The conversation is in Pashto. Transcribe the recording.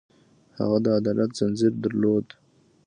هغه د عدالت ځنځیر درلود.